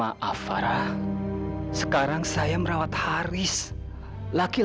aku ingin memperbaikoto tamu ratanya dan membuatnya sengaja